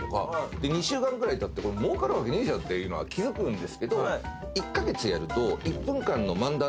で２週間ぐらいたってもうかるわけねえじゃんってのは気付くんですけど。